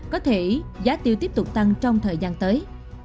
có thể giá tiêu tiếp tục tăng trong thời gian tới